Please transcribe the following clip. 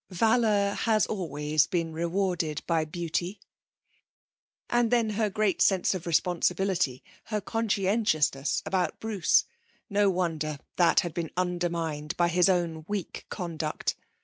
Valour has always been rewarded by beauty. And then her great sense of responsibility, her conscientiousness about Bruce no wonder that had been undermined by his own weak conduct.